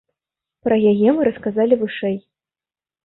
Пра яе мы расказалі вышэй.